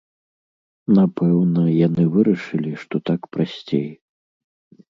Напэўна, яны вырашылі, што так прасцей.